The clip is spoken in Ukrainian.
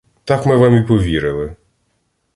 Так ми вам і повірили!